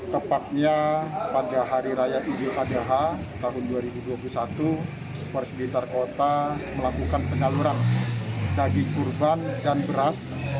tepatnya pada hari raya idul adha tahun dua ribu dua puluh satu polres blitar kota melakukan penyaluran daging kurban dan beras